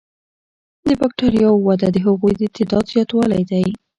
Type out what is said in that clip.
د بکټریاوو وده د هغوی د تعداد زیاتوالی دی.